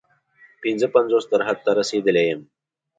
پنځه پنځوس تر حد ته رسېدلی یم.